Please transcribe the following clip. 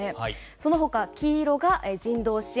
その他、黄色が人道支援